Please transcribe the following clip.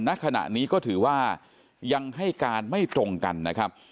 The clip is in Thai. ณขณะนี้ก็ถือว่ายังให้การไม่ตรงกันนะครับ